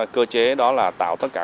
cơ chế đó là tạo tất cả